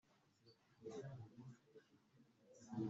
umusanzu w’uburezi